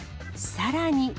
さらに。